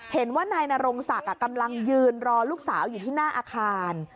เห็นว่านายนรงศักดิ์กำลังยืนรอลูกสาวอยู่ที่หน้าอาคาร